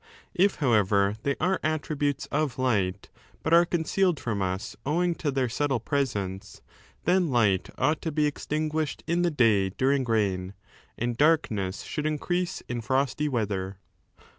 If, however, they ^ are attributes of light but are concealed from us owing to their subtle presence, then light ought to be extinguished in the day during rain, and darkness should increase in frosty weather.